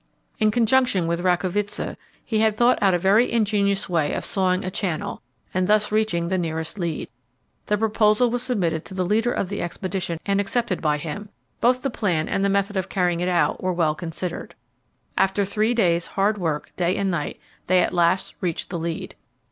In conjunction with Racovitza he had thought out a very ingenious way of sawing a channel, and thus reaching the nearest lead. The proposal was submitted to the leader of the expedition and accepted by him; both the plan and the method of carrying it out were well considered. After three weeks' hard work, day and night, they at last reached the lead.